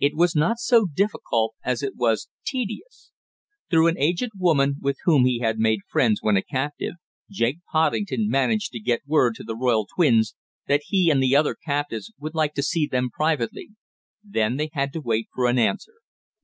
It was not so difficult as it was tedious. Through an aged woman, with whom he had made friends when a captive, Jake Poddington managed to get word to the royal twins that he and the other captives would like to see them privately. Then they had to wait for an answer.